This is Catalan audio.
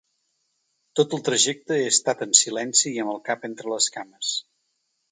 Tot el trajecte he estat en silenci i amb el cap entre les cames.